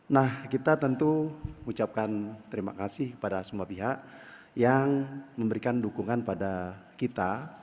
nah kita tentu mengucapkan terima kasih kepada semua pihak yang memberikan dukungan pada kita